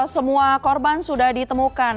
semua korban sudah ditemukan